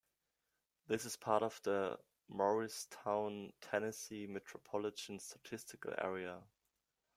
It is part of the Morristown, Tennessee, Metropolitan Statistical Area.